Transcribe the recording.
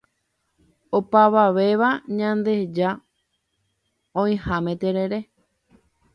Opavavéva ñandeja oĩháme terere.